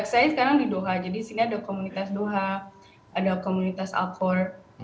saya sekarang di doha jadi di sini ada komunitas doha ada komunitas alkor